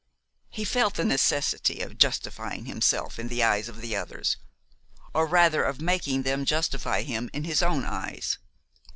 He felt the necessity of justifying himself in the eyes of the others, or rather of making them justify him in his own eyes.